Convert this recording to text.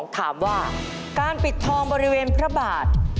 ถามว่าการปิดทองบริเวณพระบาท